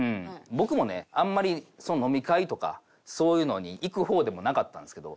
僕もねあんまり飲み会とかそういうのに行く方でもなかったんですけど。